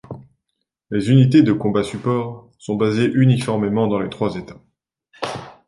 Les unités de Combat Support sont basées uniformément dans les trois États.